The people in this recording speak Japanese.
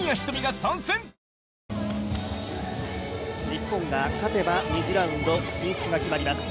日本が勝てば２次ラウンド進出が決まります。